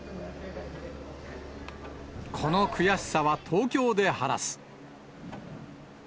この悔しさは東京で晴らす。